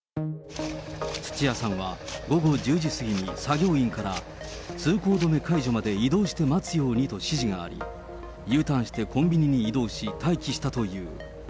土屋さんは、午後１０時過ぎに作業員から、通行止め解除まで移動して待つようにと指示があり、Ｕターンしてコンビニに移動し、待機したという。